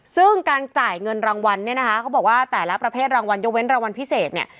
ซึ่งการจ่ายเงินรางวัลเนี่ยนะคะเขาบอกว่าแต่ละประเภทรางวัลยกเว้นรางวัลพิเศษเนี่ย